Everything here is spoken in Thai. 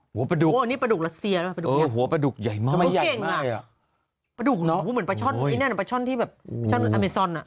หัวปลาดุกนี่ปลาดุกรัสเซียนะครับปลาดุกเนี่ยทำไมใหญ่มากปลาดุกเหมือนปลาช่อนที่แบบช่อนอเมซอนน่ะ